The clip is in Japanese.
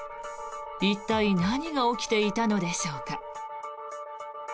一体、何が起きていたのでしょうか。